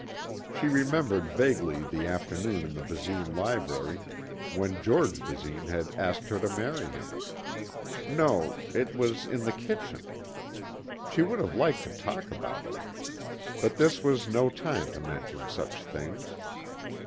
She remembered vaguely the afternoon in the Basine library when George Basine had asked her to marry him. No, it was in the kitchen. She would have liked to talk about it. But this was no time to mention such things.